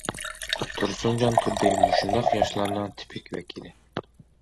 تۇرسۇنجان تۇردى مۇشۇنداق ياشلارنىڭ تىپىك ۋەكىلى.